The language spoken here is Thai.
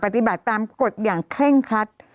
ปฏิบัติตามกฎอย่างเคร่งครัด